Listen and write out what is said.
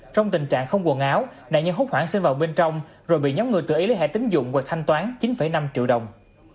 trong tình trạng không quần áo nạn nhân hút khoản sinh vào bên trong rồi bị nhóm người tự ý liên hệ tính dụng hoặc thanh toán chín năm triệu đồng